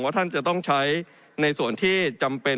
ท่านจะต้องใช้ในส่วนที่จำเป็น